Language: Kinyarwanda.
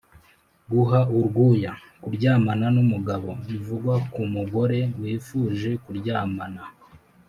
guha urwuya: kuryamana n’umugabo( bivugwa ku mugore wifuje kuryamana